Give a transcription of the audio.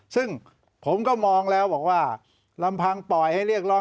ซึ่งผมก็มองแล้วบอกว่าลำพังปล่อยให้เรียกร้อง